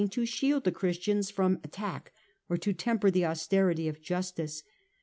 o^s®niore shield the Christians from attack or to temper intense, the austerity of justice.